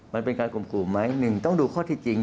มันเป็นการข่มขู่ไหมหนึ่งต้องดูข้อที่จริง